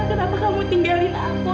kenapa kamu tinggalin aku